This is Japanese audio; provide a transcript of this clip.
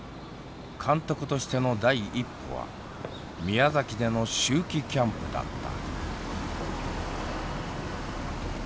監督としての第一歩は宮崎での秋季キャンプだった。